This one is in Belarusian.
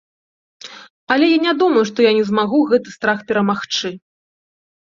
Але я не думаю, што я не змагу гэты страх перамагчы.